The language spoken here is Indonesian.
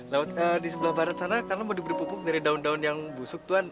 laut di sebelah barat sana karena mau diberi pupuk dari daun daun yang busuk tuhan